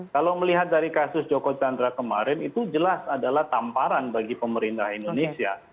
kalau melihat dari kasus joko chandra kemarin itu jelas adalah tamparan bagi pemerintah indonesia